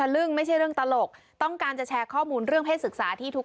ลึ่งไม่ใช่เรื่องตลกต้องการจะแชร์ข้อมูลเรื่องเศษศึกษาที่ทุก